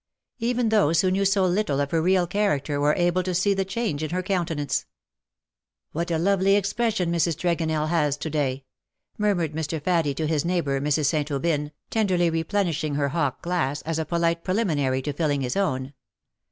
Even those who knew so little of her real character were able to see the change in her countenance. "What a lovely expression Mrs. Tregonell has to day V' murmured Mr. Faddie to his neighbour, Mrs. St. Aubyn, tenderly replenishing her hock glass, as a polite preliminary to filling his own.